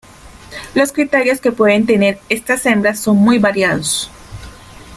Los criterios que pueden tener estas hembras son muy variados.